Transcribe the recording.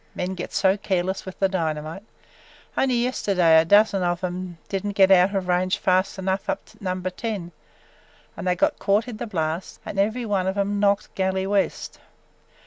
Men get so careless with the dynamite: only yesterday a dozen of 'em did n't get out of range fast enough up to Number Ten and they got caught in the blast and every last one of 'em knocked galley west!